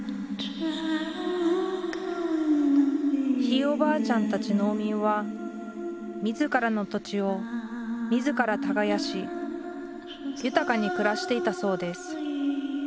ひいおばあちゃんたち農民は自らの土地を自ら耕し豊かに暮らしていたそうです。